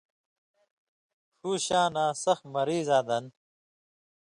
ݜُوشاناں سخ مریضاں دن